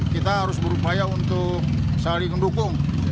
kita harus berupaya untuk saling mendukung